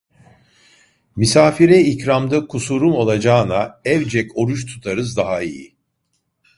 Misafire ikramda kusurum olacağına evcek oruç tutarız daha iyi!